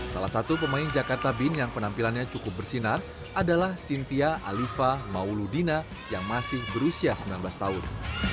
salah satu pemain jakarta bin yang penampilannya cukup bersinar adalah cynthia alifa mauludina yang masih berusia sembilan belas tahun